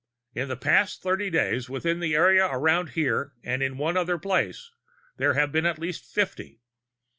In the past thirty days, within the area around here and in one other place, there have been at least fifty.